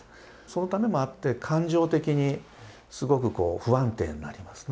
そのためもあって感情的にすごく不安定になりますね。